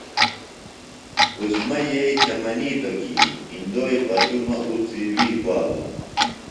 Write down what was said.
عظمیٰ یئی تھےۡ منِیتوۡ کی اِندوئی پتُوۡ مہ اُڅی وی کُوالُوم۔